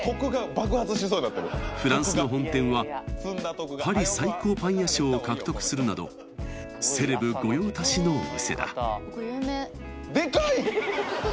フランスの本店は「パリ最高パン屋賞」を獲得するなどセレブ御用達のお店だデカい！